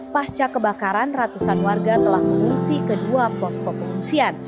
pasca kebakaran ratusan warga telah mengungsi kedua posko pengungsian